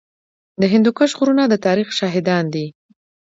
د هندوکش غرونه د تاریخ شاهدان دي